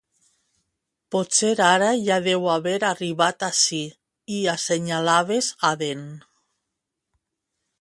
Potser ara ja deu haver arribat ací, i assenyalaves Aden.